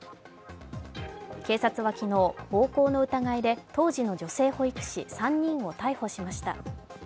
警察は昨日、暴行の疑いで当時の女性保育士３人を逮捕しました。